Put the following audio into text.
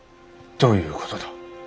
どういうことだ？